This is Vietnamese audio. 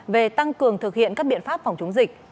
về tăng cường thực hiện các biện pháp phòng chống dịch